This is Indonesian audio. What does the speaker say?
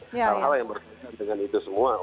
salah salah yang berkaitan dengan itu semua